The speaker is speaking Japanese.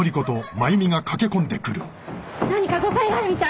何か誤解があるみたい。